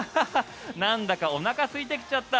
なんだかおなかすいてきちゃった